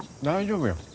大丈夫や。